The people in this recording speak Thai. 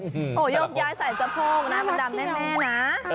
โหยกยายใส่สะโพกนะมันดำแม่นะ